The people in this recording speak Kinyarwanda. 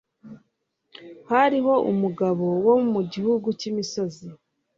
hariho umugabo wo mu gihugu cy imisozi